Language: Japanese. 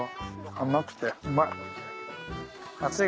甘くてうまい。